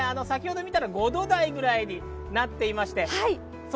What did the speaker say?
先ほど見たら５度台ぐらいになっていました。